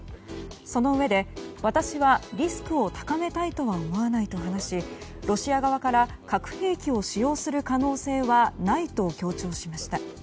そのうえで私はリスクを高めたいとは思わないと話し、ロシア側から核兵器を使用する可能性はないと強調しました。